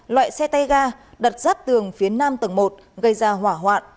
loại xe tay ga đặt rát tường phía nam tầng một gây ra hỏa hoạn